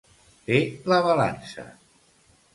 Fer la balança.